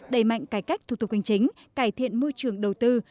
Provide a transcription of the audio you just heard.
đầy mạnh cải cách thu thục hành chính cải thiện môi trường đầu tư